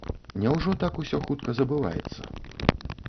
Няўжо так усё хутка забываецца?